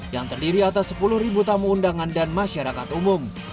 yang terdiri atas sepuluh tamu undangan dan masyarakat umum